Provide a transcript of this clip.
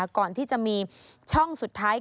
ก่อนที่จะมีช่องสุดท้าย